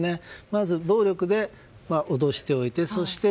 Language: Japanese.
まず、暴力で脅しておいてそして